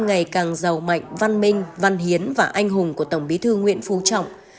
ngày càng giàu mạnh văn minh văn hiến và anh hùng của tổng bí thư nguyễn phú trọng